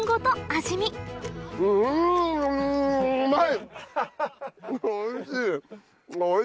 うまい！